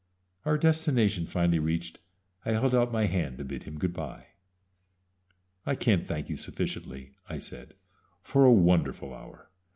Our destination finally reached, I held out my hand to bid him good by. "I can't thank you sufficiently," I said, "for a wonderful hour.